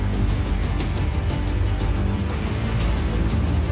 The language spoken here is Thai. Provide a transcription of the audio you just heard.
มันเกิดจากอะไรละ